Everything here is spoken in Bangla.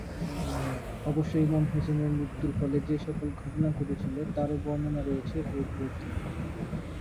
অবশ্য ইমাম হোসেনের মৃত্যুর ফলে যে সকল ঘটনা ঘটেছিল তারও বর্ণনা রয়েছে এ গ্রন্থে।